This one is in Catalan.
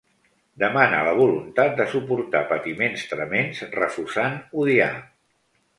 Demana la voluntat de suportar patiments tremends refusant odiar.